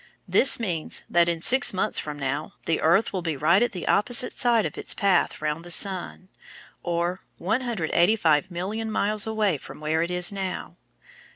This means that in six months from now the earth will be right at the opposite side of its path round the sun, or 185,000,000 miles away from where it is now.